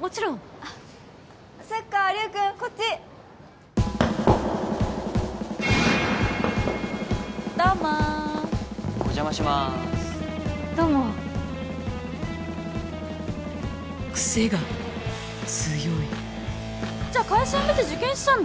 もちろんスッカ龍君こっちどうもお邪魔しまーすどうもクセが強いじゃあ会社辞めて受験したんだ？